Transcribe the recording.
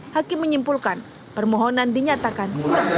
hakim menyimpulkan permohonan dinyatakan